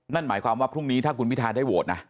นั่นหมายความว่าพรุ่งนี้ถ้าคุณพิทาได้โหวตนะ